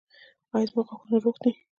ایا زما غاښونه روغ دي؟